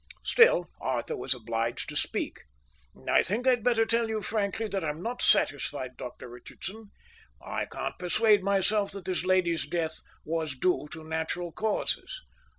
Still Arthur was obliged to speak. "I think I'd better tell you frankly that I'm not satisfied, Dr Richardson. I can't persuade myself that this lady's death was due to natural causes."